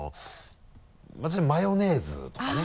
私マヨネーズとかね。